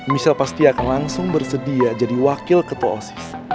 michelle pasti akan langsung bersedia jadi wakil ketua osif